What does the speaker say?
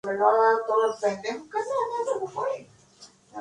La única constancia de su existencia eran las dos imágenes del descubrimiento.